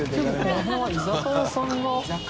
この辺は居酒屋さんが。